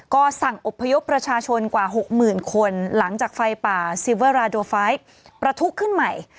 ก็สั่งอบพยพประชาชนกว่าหกหมื่นคนหลังจากไฟป่าซิเวอร์ราโดไฟท์ประทุขึ้นใหม่